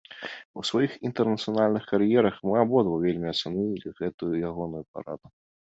У сваіх інтэрнацыянальных кар'ерах, мы абодва вельмі ацанілі гэтую ягоную параду.